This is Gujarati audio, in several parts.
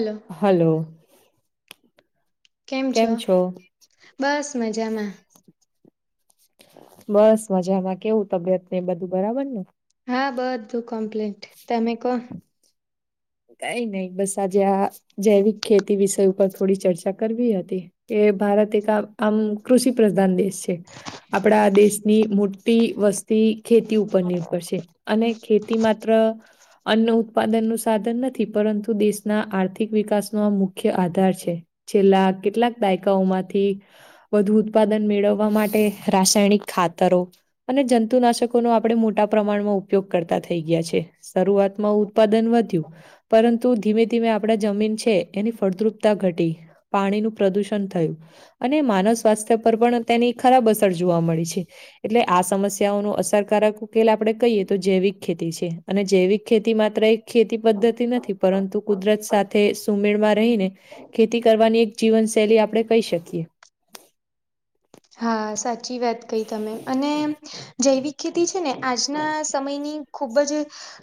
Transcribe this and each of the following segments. હલો હલો કેમ છો, બસ મજામાં બસ મજામાં કેવું, તબિયત ને એ બધું બરાબર ને. હા બધું કમ્પ્લેટ, તમે કો? કાઈ નઈ બસ આજે આ જૈવિક ખેતી વિષય ઉપર થોડી ચર્ચા કરવી હતી. કે ભારત એક આ આમ કૃષિ પ્રધાન દેશ છે. આપડા દેશની મોટી વસ્તી ખેતી ઉપર નિર્ભર છે અને ખેતી માત્ર અન્ન ઉત્પાદન નુ સાધન નથી પરંતુ દેશના આર્થિક વિકાસનો આ મુખ્ય આધાર છે. છેલ્લા કેટલાક દાયકાઓમાંથી વધુ ઉત્પાદન મેળવવા માટે રાસાયણિક ખાતરો અને જંતુનાશકોનો આપડે મોટા પ્રમાણમાં ઉપયોગ કરતા થઈ ગ્યા છે. શરૂઆત માં ઉત્પાદન વધ્યું પરંતુ ધીમે ધીમે આપડા જમીન છે એની ફળદ્રુપતા ઘટી પાણી નું પ્રદુષણ થયું. અને માનવ સ્વાસ્થ્ય પર પણ તેની ખરાબ અસર જોવા મળે છે. એટલે આ સમસ્યાઓ નો અસરકારક ઉકેલ આપડે કહીએ તો જૈવિક ખેતી છે. અને જૈવિક ખેતી માત્ર એક ખેતી પદ્ધતિ નથી પરંતુ કુદરત સાથે સુમેળ માં રહી ને ખેતી કરવાની એક જીવનશૈલી આપડે કહી શકીએ. હા સાચી વાત કઈ તમે અને જૈવિક ખેતી છે ને આજના સમયની ખૂબ જ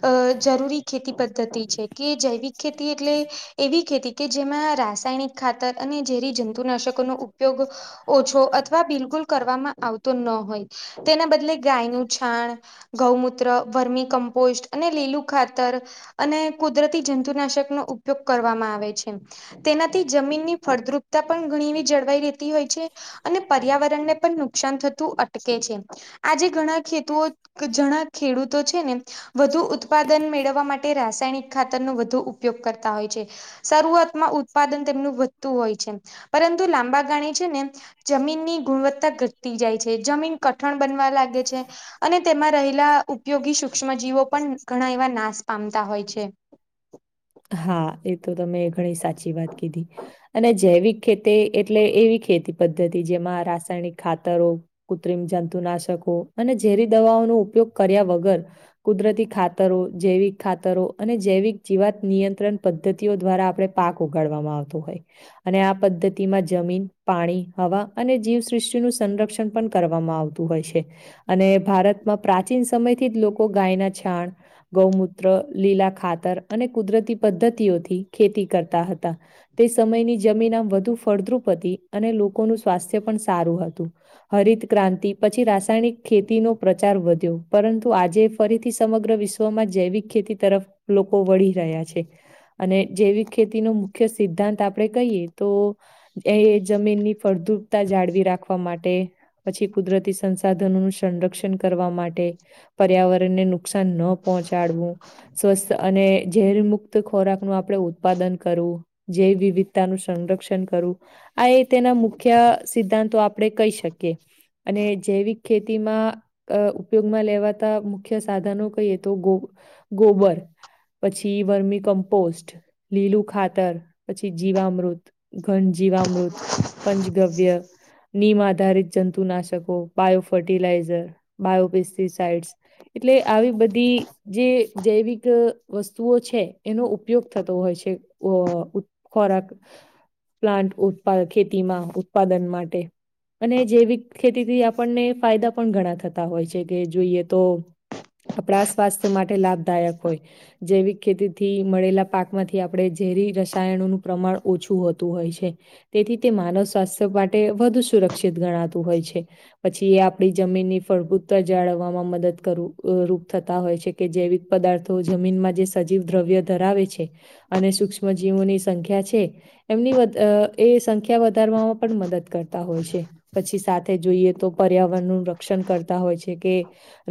અ જરૂરી ખેતી પધ્ [unintelligible] છે કે જૈવિક ખેતી એટલે એવી ખેતી કે જેમાં રાસાયણિક ખાતર અને ઝેરી જંતુનાશકોનો ઉ ઉપયોગ ઓછો અથવા કરવામાં આવતો ન હોય તેના બદલે ગાય નુ છાણ ગૌમુત્ર વર્મી કમ્પોસ્ટ અને લીલું ખાતર અને કુદરતી જંતુનાશક નો ઉપયોગ કરવામાં આવે છે. તેનાથી જમીનની ફળદ્રુપતા પણ ઘણી એવી જળવાઈ રહેતી હોય છે અને પર્યાવરણ ને પણ નુકસાન થતું અટકે છે. આજે ઘણા [unintelligible] જણા ખેડૂતો છે ને વધુ ઉત્પાદન મેળવવા માટે રાસાયણિક ખાતર નો વધુ ઉપયોગ કરતા હોય છે. શરૂઆત માં ઉત્પાદન તેમનું વધતું હોય છે. પરંતુ લાંબા ગાણે છે. ને જમીનની ગુણવત્તા ઘટતી જાય છે. જમીન કઠણ બનવા લાગે છે. અને તેમાં રહેલા ઉપયોગી સૂક્ષ્મજીવો પણ ઘણા એવા નાશ પામતા હોય છે. હા એ તો તમે ઘણી સાચી વાત કીધી. અને જૈવિક ખેતી એટલે એવી ખેતી પદ્ધતિ જેમાં રાસાયણિક ખાતરો કૃત્રિમ જંતુનાશકો અને ઝેરી દવાઓનો ઉપયોગ કર્યા વગર કુદરતી ખાતરો જૈવિક ખાતરો અને જૈવિક જીવાત નિયંત્રણ પદ્ધતિઓ દ્વારા આપણે પાક ઉગાડવામાં આવતો હોય. અને આ પદ્ધતિમાં જમીન પાણી હવા અને જીવસૃષ્ટિનું સંરક્ષણ પણ કરવામાં આવ હોય છે અને ભારતમાં પ્રાચીન સમયથી જ લોકો ગાયના છાણ ગૌમૂત્ર લીલા ખાતર અને કુદરતી પદ્ધતિઓથી ખેતી કરતા હતા. તે સમયની જમીન આમ વધુ ફળદ્રુપ હતી અને લોકોનું સ્વાસ્થ્ય પણ સારું હતું. હરિત ક્રાંતિ પછી રાસાયણિક ખેતીનો પ્રચાર વધ્યો પરંતુ આજે ફરીથી સમગ્ર વિશ્વમાં જૈવિક ખેતી તરફ લોકો વળી રહ્યા છે. અને જૈવિક ખેતીનો મુખ્ય સિદ્ધાંત આપણે કહીએ તો એ જમીનની ફળદુપતા જાળવી રાખવા માટે પછી કુદરતી સંસાધનોનું સંરક્ષણ કરવા માટે પર્યાવરણને નુકસાન ન પહોંચાડવું સ્વસ્થ અને ઝેર મુક્ત ખોરાક નું આપણે ઉત્પાદન કરવું જૈવ વિવિધતાનું સંરક્ષણ કરવું આ એ તેના મુખ્ય સિદ્ધાંતો આપણે કહી શકીએ. અને જૈવિક ખેતીમાં અ ઉપયોગમાં લેવાતા મુખ્ય સાધનો કહીએ તો ગો- ગોબર પછી વર્મી કમ્પોસ્ટ લીલું ખાતર પછી જીવામૃત ઘન જીવામૃત પંચગવ્ય નિયમ આધારિત જંતુનાશકો બાયો ફર્ટિલાઈઝર બાયોપેસ્ટિસઇડ્સ એટલે આવી બધી જે જૈવિક વસ્તુઓ છે એનો ઉપયોગ થતો હોય છે. અ ખોરાક પ્લાન્ટ ઉત્પા ખેતીમાં ઉત્પાદન માટે અને જૈવિક ખેતીથી આપણને ફાયદા પણ ઘણા થતા હોય છે કે જોઈએ તો.. આપણા સ્વાસ્થ્ય માટે લાભદાયક હોય જૈવિક ખેતીથી મળેલા પાકમાંથી આપણે ઝેરી રસાયણોનું પ્રમાણ ઓછું હોતું હોય છે. તેથી તે માનવ સ્વાસ્થ્ય માટે વધુ સુરક્ષિત ગણાતું હોય છે. પછી એ આપણી જમીનની ફળદ્રુપતા જાળવવામાં મદદ [unintelligible] રૂપ થતા હોય છે. કે જૈવિક પદાર્થો જમીનમાં જે સજીવ દ્રવ્ય ધરાવે છે. અને સૂક્ષ્મજીવોની સંખ્યા છે. એમની એ સંખ્યા વધારવામાં પણ મદદ કરતા હોય છે પછી સાથે જોઈએ તો પર્યાવરણનું રક્ષણ કરતા હોય છે કે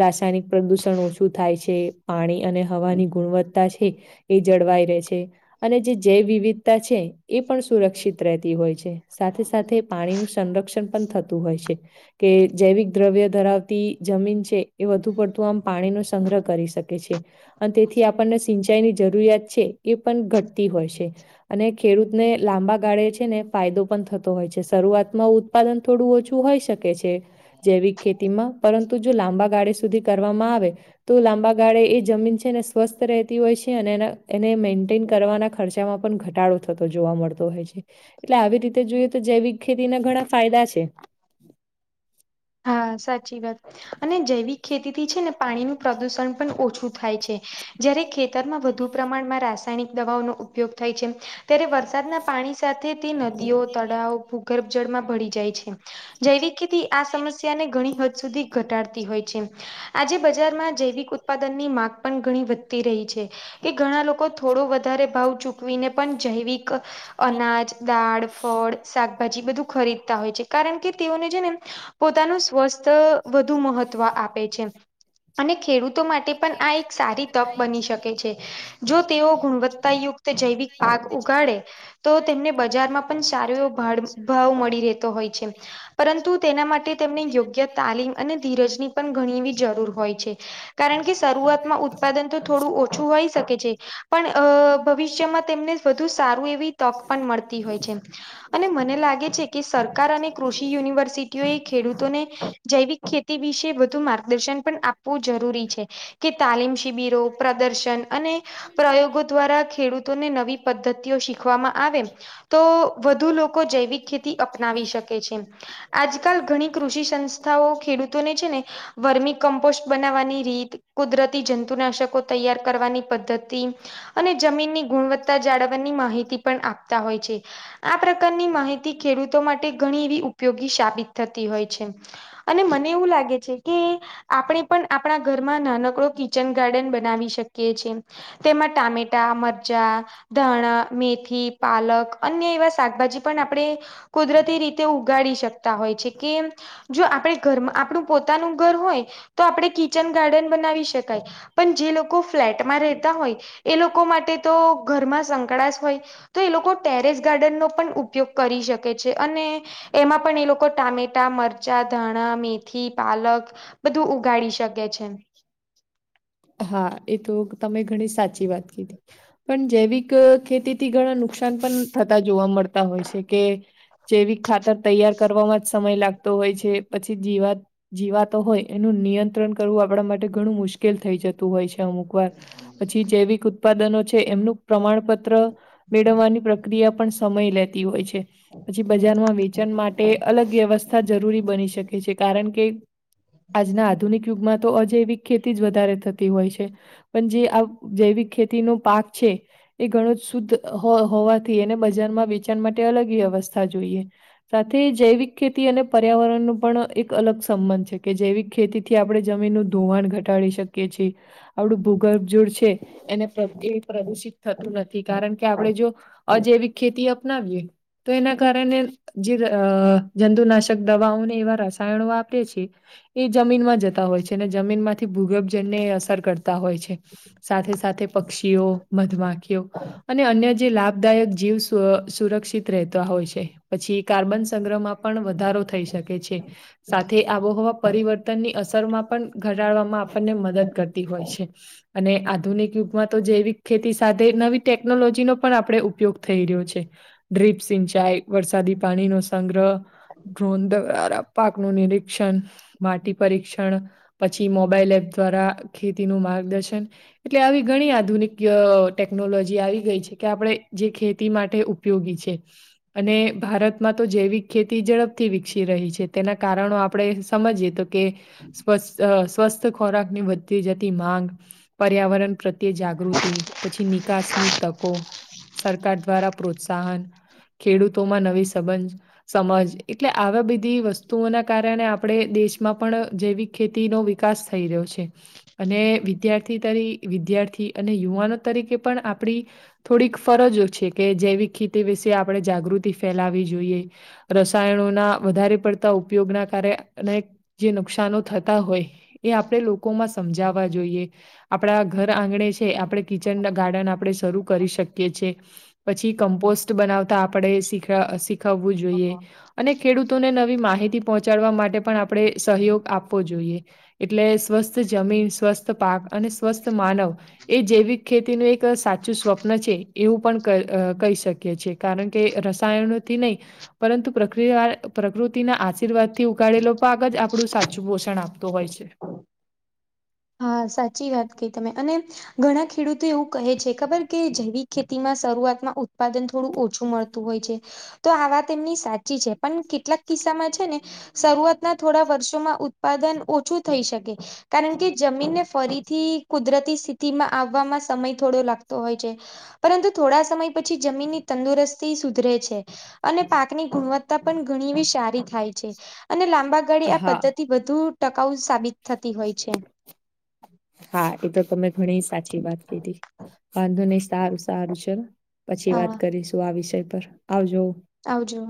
રાસાયણિક પ્રદુષણ ઓછું થાય છે પાણી અને હવાની ગુણવત્તા છે એ જળવાઈ રે છે. અને જે જૈવ વિવિધતા છે એ પણ સુરક્ષિત રહેતી હોય છે. સાથે-સાથે પાણીનું સંરક્ષણ પણ થતું હોય છે. કે જૈવિક દ્રવ્ય ધરાવતી જમીન છે એ વધુ પડતું આમ પાણીનો સંગ્રહ કરી શકે છે. અન તેથી આપણને સિંચાઈની જરૂરિયાત છે એ પણ ઘટતી હોય છે. અને ખેડૂતને લાંબા ગાળે છે ને ફાયદો પણ થતો હોય છે શરૂઆતમાં ઉત્પાદન થોડું ઓછું હોઈ શકે છે. જૈવિક ખેતીમાં પરંતુ જો લાંબા ગાળે સુધી કરવામાં આવે તો લાંબા ગાળે એ જમીન છે ને સ્વસ્થ રહેતી હોય છે અને એ એને મેન્ટેન કરવાના ખર્ચ તેમાં પણ ઘટાડો થતો જોવા મળતો હોય છે. એટલે આવી રીતે જોઈએ તો જૈવિક ખેતીના ઘણા ફાયદા છે. હા સાચી વાત અને જૈવિક ખેતીથી છે ને પાણીનું પ્રદુષણ પણ ઓછું થાય છે. જ્યારે ખેતરમાં વધુ પ્રમાણમાં રાસાયણિક દવાઓનો ઉપયોગ થાય છે. ત્યારે વરસાદના પાણી સાથે તે નદીઓ તળાવ ભૂગર્ભ જળમાં ભળી જાય છે. જૈવિક ખેતી આ સમસ્યાને ઘણી હદ સુધી ઘટાડતી હોય છે. આજે બજારમાં જૈવિક ઉત્પાદન ની માંગ પણ ઘણી વધતી રહી છે. કે ઘણા લોકો થોડો વધારે ભાવ ચૂકવીને પણ જૈવિક અનાજ દાળ ફળ શાકભાજી બધું ખરીદતા હોય છે કારણ કે તેઓને જે ને પોતાનું સ્વસ્થ વધુ મહત્વ આપે છે. અને ખેડૂતો માટે પણ આ એક સારી તક બની શકે છે જો તેઓ ગુણવત્તાયુક્ત જૈવિક પાક ઉગાડે તો તેમને બજારમાં પણ સારો એવો ભાવ મળી રહેતો હોય છે. પરંતુ તેના માટે તેમને યોગ્ય તાલીમ અને ધીરજની પણ ઘણી એવી જરૂર હોય છે. કારણ કે શરૂઆતમાં ઉત્પાદન તો થોડું ઓછું હોય શકે છે. પણ અ ભવિષ્યમાં તેમને વધુ સારું એવી તક મળતી હોય છે. અને મને લાગે છે કે સરકાર અને કૃષિ યુનિવર્સિટીઓ એક ખેડૂતોને જૈવિક ખેતી વિશે વધુ માર્ગદર્શન પણ આપવું જરૂરી છે. કે તાલીમ શિબિરો પ્રદર્શન અને પ્રયોગો દ્વારા ખેડૂતોને નવી પદ્ધતિઓ શીખવામાં આવે તો વધુ લોકો જૈવિક ખેતી અપનાવી શકે છે આજ કાલ ઘણી કૃષિ સંસ્થાઓ ખેડૂતોને છે ને વર્મી કમ્પોસ્ટ બનાવવાની રીત કુદરતી જંતુનાશકો તૈયાર કરવાની પદ્ધતિ અને જમીનની ગુણવત્તા જાળવવાની માહિતી પણ આપતા હોય છે. આ પ્રકારની માહિતી ખેડૂતો માટે ઘણી એવી ઉપયોગી સાબિત થતી હોય છે. અને મને એવું લાગે છે કે આપણે પણ આપણા ઘરમાં નાનકડો કિચન ગાર્ડન બનાવી શકીએ છે. તેમાં ટામેટા મરચાં ધાણા મેથી પાલક અન્ય એવા શાકભાજી પણ આપણેે કુદરતી રીતે ઉગાડી શકતા હોય છે. કે જો આપણે ઘર આપણું પોતાનું ઘર હોય તો આપણે કિચન ગાર્ડન બનાવી શકાય પણ જે લોકો ફ્લેટમાં રેતા હોય એ લોકો માટે તો ઘરમાં સંકડાશ હોય તો એ લોકો ટેરેસ ગાર્ડનનો પણ ઉપયોગ કરી શકે છે અને એમાં પણ એ લોકો ટામેટ મરચા, ધાણા, મેથી, પાલક બધું ઉગાડી શકે છે. હા એ તો તમે ઘણી સાચી વાત કીધી. પણ જૈવિક ખેતીથી ઘણા નુકસાન પણ થતા જોવા મળતા હોય છે કે. જૈવિક ખાતર તૈયાર કરવામાં જ સમય લાગતો હોય છે પછી જીવાત. જીવાતો હોય એનું નિયંત્રણ કરવું આપ આપણા માટે ઘણું મુશ્કેલ થઈ જતું હોય છે અમુક વાર પછી જેૈવિક ઉત્પાદનો છે એમનું પ્રમાણપત્ર મેળવવાની પ્રક્રિયા પણ સમય લેતી હોય છે. પછી બજારમાં વેચણ માટે અલગ વ્યવસ્થ થા જરૂરી બની શકે છે કારણ કે આજના આધુનિક યુગમાં. તો અજૈવિક ખેતી જ વધારે થતી હોય છે પણ જે આ જૈવિક ખેતીનો પાક છે. એ ઘણો જ શુદ્ધ હો હોવાથી એને બજારમાં વેચાણ માટે અલગ વ્યવસ્થા જોઈએ. સાથે જૈવિક ખેતી અને પર્યાવરણ નુ પણ એક અલગ સંબંધ છે કે જૈવિક ખેતીથી આપણે. જમીનનું ધોવાણ ઘટાડી શકીએ છીએ આપડું ભૂગર્ભ જૂડ છે. એને પ્રદુ એ પ્રદુષિત થતું નથી કારણ કે આપણેે જો. અજૈવિક ખેતી અપનાવીએ તો એના કારણે. જે અ જંતુનાશક દવાઓને એવા રસાયણો વાપરે છે એ જમીનમાં જત તા હોય છે અને જમીનમાંથી ભૂગર્ભ જનને અસર કરતા હોય છે. સાથે સાથે પક્ષીઓ, મધમાખીઓ અને અન્ય જે લાભદાયક જીવ સુ સુરક્ષિત રહેતા હોય છે પછી કાર્બન સંગ્રહમાં. પણ વધારો થઈ શકે છે સાથે આબોહવા પરિવર્તનની. અસરમાં પણ ઘટાડવામાં આપણને મદદ કરતી હોય છે. અને આધુનિક યુગમાં તો જૈવિક ખેતી સાથે નવી ટેકનોલોજીનો પણ આપણે ઉપયોગ થઈ રહ્યો છે. ડ્રીપ સિંચાઈ વરસાદી પાણીનો સંગ્રહ. ડ્રોન દ્વારા પાક નું નિરીક્ષણ, માટી પરીક્ષણ. પછી મોબાઈલ એપ દ્વારા ખેતીનું માર્ગદર્શન. એટલે આવી ઘણી આધુનિક અ ટેકનોલોજી આવી ગઈ છે કે આપણે જે ખેતી માટે ઉપ ઉપયોગી છે. અને ભારતમાં તો જૈવિક ખેતી ઝડપથી વિકસી રહી છે તેના કારણો આપણે સમજીએ તો. કે સ્વસ્ સ્વસ્થ ખોરાક ની વધતી જતી માંગ. પર્યાવરણ પ્રત્યે જાગૃતિ પછી નિકાસની તકો. સરકાર દ્વારા પ્રોત્સાહન, ખેડૂતોમાં નવી સંબંધ. સમજ એટલે આવા બધી વસ્તુઓના કારણે આપણે દેશ. માં પણ જૈવિક ખેતીનો વિકાસ થઈ રહ્યો છે. અને વિદ્યાર્થી તરી વિદ્યાર્થી અને યુવાનો તરીકે પણ આપણી. થોડીક ફરજો છે કે જૈવિક ખેતી વિશે આપણે જાગૃતિ ફેલાવી જોઈએ. રસાયણો ના વધારે પડતા ઉપયોગના કારે અને જે નુકસનો થતા હોય. એ આપણેે લોકો માં સમજાવવા જોઈએ આપણા ઘર આંગણે છે આપણે. કિચન ગાર્ડન આપણે શરૂ કરી શકીએ છીએ પછી કમ્પોસ્ટ. બનાવતા આપડે શીખવવું જોઈએ અને ખેડૂતોને નવી માહિતી. પહોંચાડવા માટે પણ આપણે સહયોગ આપવો જોઈએ. એટલે સ્વસ્થ જમીન, સ્વસ્થ પાક અને સ્વસ્થ માનવ. એ જૈવિક ખેતીનું એક સાચું સ્વપ્ન છે એવું પણ કહી શકીએ છે. કારણ કે રસાયણોથી નહીં. પરંતુ પ્રક પ્રકૃતિના આશીર્વાદ થી ઉગાળેલો પાક જ આપ આપડું સાચું પોષણ આપતું હોય છે. હા સાચી વાત કઈ તમે અને. ઘણા ખેડૂતો એવું કહે છે ખબર કે જૈવિક ખેતીમાં શરૂઆતમાં ઉત્પાદન થોડું ઓછું મળતું. હોય છે તો આ વાત એમની સાચી છે પણ કેટલાક કિસ્સામાં છે ને. શરૂઆતના થોડા વર્ષોમાં ઉત્પાદન ઓછું થઈ શકે કારણ કે. જમીનને ફરીથી કુદરતી સ્થિતિમાં આવવામાં સમય થોડો લાગતો હોય છે. પરંતુ થોડા સમય પછી જમીનની તંદુરસ્તી સુધરે છે. અને પાકની ગુણવત્તા પણ ઘણી સારી થાય છે અને લાંબા. આગળ આ હા પદ્ધતિ વધુ ટકાઉ સાબિત થતી હોય. છે હા એ તો તમે. ઘણી સાચી વાત કીધી વાંધો નહી સારું સારું છેને. પછી હા વાત કરીશું આ વિષય પર આવજ. આવજો.